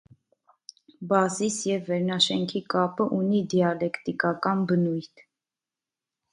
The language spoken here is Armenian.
Բազիս և վերնաշենքի կապը ունի դիալեկտիկական բնույթ։